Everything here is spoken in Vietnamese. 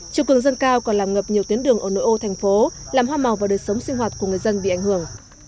chiều cường dân cao còn làm ngập nhiều tuyến đường ở nội ô thành phố làm hoa màu và đời sống sinh hoạt của người dân bị ảnh hưởng